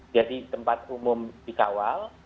jadi tempat umum dikawal